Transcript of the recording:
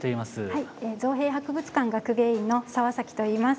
はい造幣博物館学芸員の澤といいます。